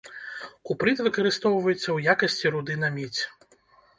Купрыт выкарыстоўваецца ў якасці руды на медзь.